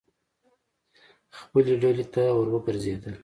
خپلې ډلې ته ور وګرځېدل.